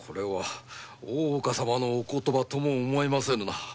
大岡様のお言葉とも思えませんな。